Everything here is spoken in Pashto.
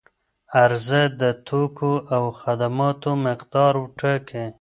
عرضه د توکو او خدماتو مقدار ټاکي.